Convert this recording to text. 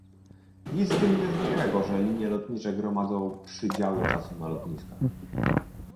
Nic w tym niezwykłego, że linie lotnicze gromadzą przydziały czasu na lotniskach